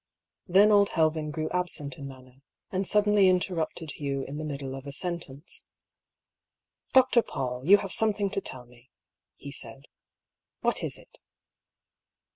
Then old Helven grew^ absent in manner, and suddenly interrupted Hugh in the middle of a sentence. ^^ Dr. Paull, you have something to tell me," he said. " What is it